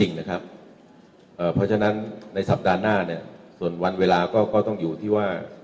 และเพราะฉะนั้นในสัปดาห์หน้าเนี่ย